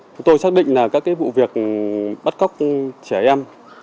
chúng tôi xác định là các vụ việc bắt cóc trẻ em